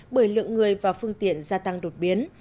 bởi lượng người và phương tiện gia tăng đột biến